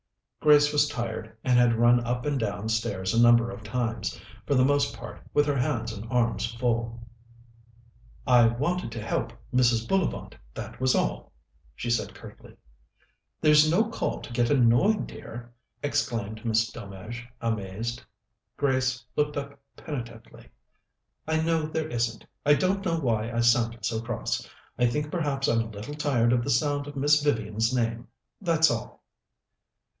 Grace was tired, and had run up and down stairs a number of times, for the most part with her hands and arms full. "I wanted to help Mrs. Bullivant, that was all," she said curtly. "There's no call to get annoyed, dear!" exclaimed Miss Delmege, amazed. Grace looked up penitently. "I know there isn't. I don't know why I sounded so cross. I think perhaps I'm a little tired of the sound of Miss Vivian's name, that's all."